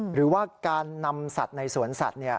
หรือว่าการนำสัตว์ในสวนสัตว์